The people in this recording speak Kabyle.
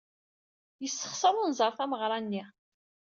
Yessexṣer unẓar tameɣra-nni.